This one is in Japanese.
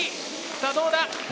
さあどうだ？